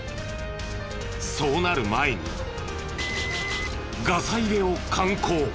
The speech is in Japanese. そうなる前にガサ入れを敢行。